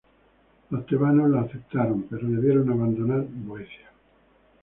Los tebanos la aceptaron, pero debieron abandonar Beocia.